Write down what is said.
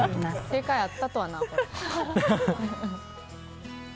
正解あったとはな。